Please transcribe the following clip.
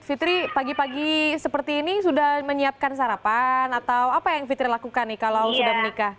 fitri pagi pagi seperti ini sudah menyiapkan sarapan atau apa yang fitri lakukan nih kalau sudah menikah